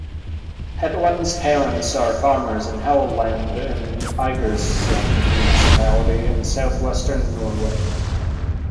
Hetland's parents are farmers in Helleland in Eigersund municipality in southwestern Norway.